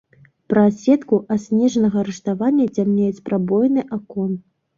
Праз сетку аснежанага рыштавання цямнеюць прабоіны акон.